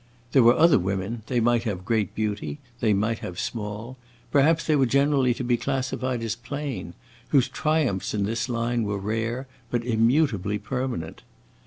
There were other women they might have great beauty, they might have small; perhaps they were generally to be classified as plain whose triumphs in this line were rare, but immutably permanent.